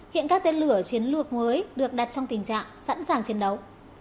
hiện các tên lửa chiến lược mới được đặt trong tình trạng sẵn sàng chiến đấu